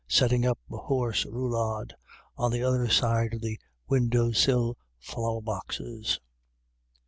77 setting up a hoarse roulade on the other side of the window sill flower boxes.